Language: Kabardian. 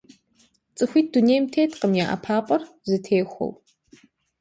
Цӏыхуитӏ дунейм теткъым я ӏэпапӏэр зэтехуэу.